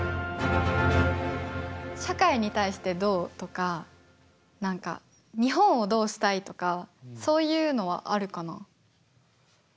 社会に対してどうとか何か日本をどうしたいとかそういうのはあるかな？